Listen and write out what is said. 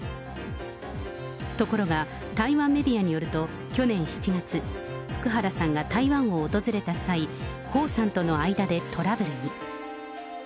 ところが、台湾メディアによると、去年７月、福原さんが台湾を訪れた際、江さんとの間でトラブルに。